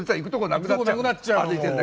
なくなっちゃうもう。